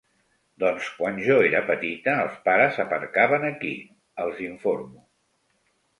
Doncs quan jo era petita els pares aparcaven aquí —els informo.